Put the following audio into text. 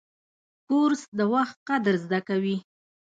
کورس د وخت قدر زده کوي.